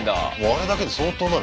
あれだけで相当になる。